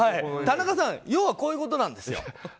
田中さん要はこういうことなんですよ。